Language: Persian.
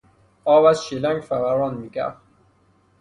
آب از شیلنگ فوران میکرد.